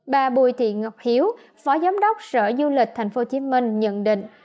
bà bùi thị ngọc hiếu phó giám đốc sở du lịch tp hcm nhận định